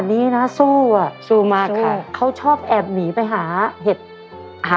มันตึงใช่ไหม